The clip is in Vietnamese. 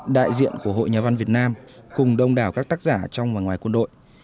đại diện của hội nhà văn việt nam cùng đông đảo các tác giả trong và ngoài quân đội